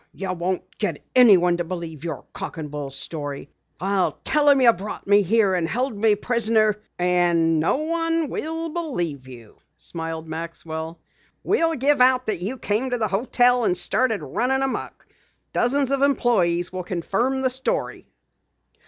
You won't get anyone to believe your cock and bull story. I'll tell 'em you brought me here and held me prisoner " "And no one will believe you," smiled Maxwell. "We'll give out that you came to the hotel and started running amuck. Dozens of employes will confirm the story."